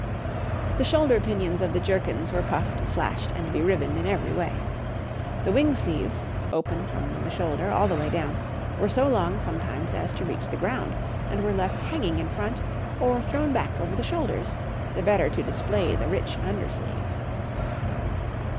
The shoulder pinions of the jerkins were puffed, slashed, and beribboned in every way. The wing sleeves, open from the shoulder all the way down, were so long sometimes as to reach the ground, and were left hanging in front, or thrown back over the shoulders, the better to display the rich under sleeve.